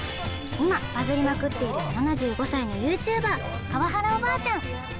今バズりまくっている７５歳のＹｏｕＴｕｂｅｒ川原おばあちゃん